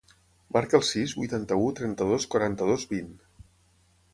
Marca el sis, vuitanta-u, trenta-dos, quaranta-dos, vint.